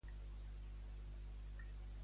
Què més ha posat en dubte Asens?